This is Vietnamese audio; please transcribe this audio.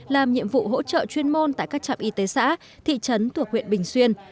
làm nhiệm vụ hỗ trợ chuyên môn tại các trạm y tế xã thị trấn thuộc huyện bình xuyên